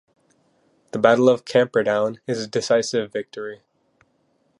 The Battle of Camperdown is a decisive victory.